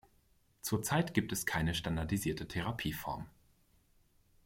Zurzeit gibt es keine standardisierte Therapieform.